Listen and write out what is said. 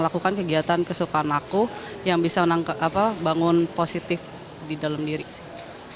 lakukan kegiatan kesukaan aku yang bisa bangun positif di dalam diri sih